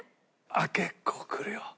あっ結構くるよ。